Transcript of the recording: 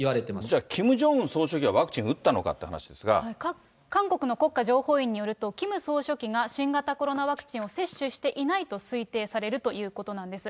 じゃあキム・ジョンウン総書記はワクチン打ったのかっていう韓国の国家情報院によると、キム総書記が新型コロナワクチンを接種していないと推定されるということなんです。